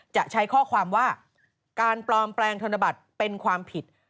จะใช้ข้อความว่าการปลอมแปลงธนบัตรเป็นความผิด